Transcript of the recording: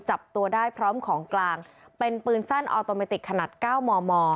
จับตัวได้พร้อมของกลางเป็นปืนสั้นออโตเมติกขนาด๙มม